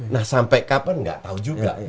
nah sampai kapan nggak tahu juga